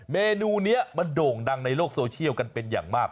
เมนูนี้มันโด่งดังในโลกโซเชียลกันเป็นอย่างมาก